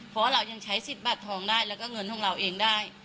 เพราะเรายังใช้สิทธิ์บัตรทองได้แล้วก็เงินของเราเองได้